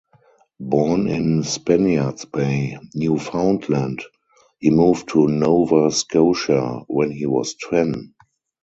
Born in Spaniard's Bay, Newfoundland, he moved to Nova Scotia when he was ten.